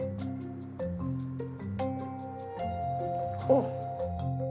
おっ！